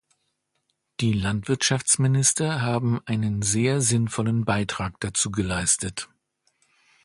Die Landwirtschaftsminister haben einen sehr sinnvollen Beitrag dazu geleistet.